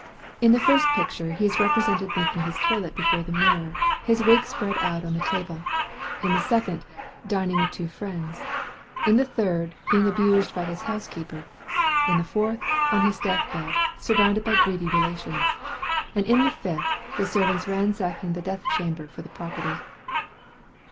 In the first picture he is represented making his toilet before the mirror, his wig spread out on the table; in the second, dining with two friends; in the third, being abused by his housekeeper; in the fourth, on his death bed, surrounded by greedy relations; and in the fifth, the servants ransacking the death chamber for the property.